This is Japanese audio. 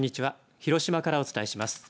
広島からお伝えします。